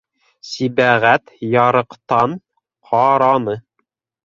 Сибәғәт ярыҡтан ҡараны.